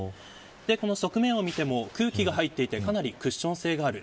この側面を見ても空気が入っていてかなりクッション性がある。